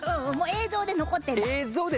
映像で残ってんの。